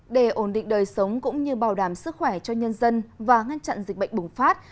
để ổn định đời sống cũng như bảo đảm sức khỏe cho nhân dân và ngăn chặn dịch bệnh bùng phát